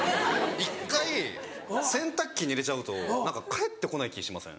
一回洗濯機に入れちゃうと返ってこない気しません？